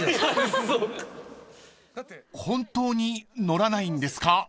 ［本当に乗らないんですか？］